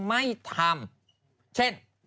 ไม่ทำเช่น